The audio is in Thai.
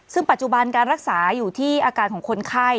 ซึ่งปัจจุบันการรักษาอยู่ที่อาการของคนไข้